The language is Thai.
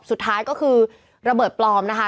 สุดท้ายก็คือระเบิดปลอมนะคะ